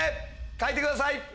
書いてください。